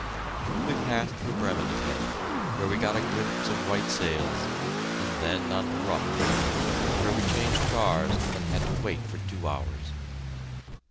We passed through Bremen again, where we got a glimpse of white sails, and then on to Rotenburg, where we changed cars and had to wait for two hours.